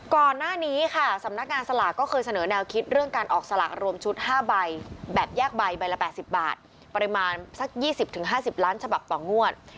ก่อนหน้านี้ค่ะสำนักงานสลากก็เคยเสนอแนวคิดเรื่องการออกสลากรวมชุด๕ใบแบบแยกใบใบละ๘๐บาทปริมาณสัก๒๐๕๐ล้านฉบับต่องวด